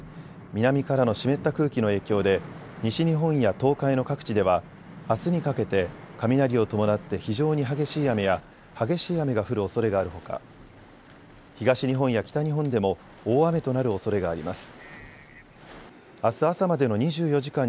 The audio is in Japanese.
南からの湿った空気の影響で西日本や東海の各地ではあすにかけて雷を伴って非常に激しい雨や激しい雨が降るおそれがあるほか東日本や北日本でも大雨となるおそれがあります。